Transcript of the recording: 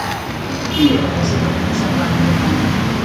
Qui era la seva consemblant romana?